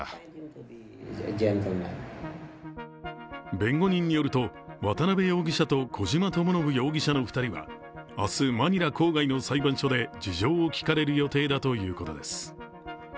弁護人によると渡辺容疑者と小島智信容疑者の２人は明日、マニラ郊外の裁判所で事情を聴かれる予定だということです。